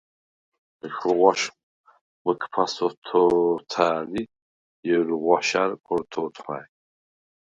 ეშხუ ღვაშ მჷქფას ოთო̄თა̄̈ლ ი ჲერუ ღვაშა̈რ ქორთე ოთხვა̈ჲ.